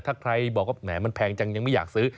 ถ้าใครบอกว่าแหมมันแพงจังยังไม่อยากซื้อ